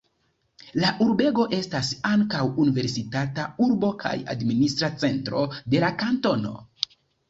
La urbego estas ankaŭ universitata urbo kaj administra cento de la kantono.